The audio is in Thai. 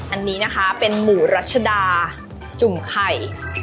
อันนี้นะคะเป็นหมูรัชดาจุ่มไข่